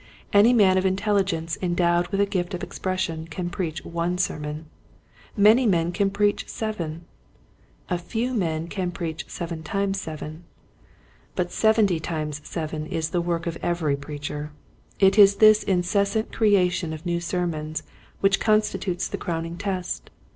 Any man of intelligence en dowed with a gift of expression can preach one sermon. Many men can preach seven. A few men can preach seven times seven. But seventy times seven is the work of every preacher. It is this incessant creation of new sermons which constitutes the crowning test.